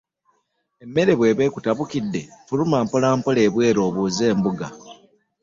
Emmere bw'eba ekutabukidde, fuluma mpolampola ebweru obuuze embuga.